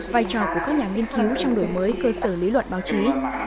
vai trò của các nhà nghiên cứu trong đổi mới cơ sở lý luận báo chí